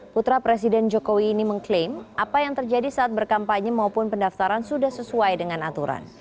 putra presiden jokowi ini mengklaim apa yang terjadi saat berkampanye maupun pendaftaran sudah sesuai dengan aturan